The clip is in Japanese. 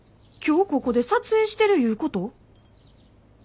今日ここで撮影してるいうこと？